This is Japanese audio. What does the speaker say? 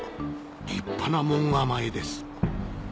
立派な門構えです